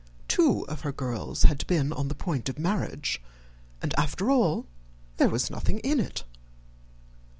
Two of her girls had been on the point of marriage, and after all there was nothing in it.